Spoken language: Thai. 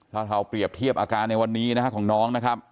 ถ้าเราเปรียบเทียบอาการในวันนี้นะฮะของน้องนะครับ